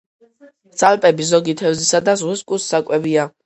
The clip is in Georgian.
სალპები ზოგი თევზისა და ზღვის კუს საკვებია.